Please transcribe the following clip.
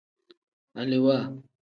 Alewaa.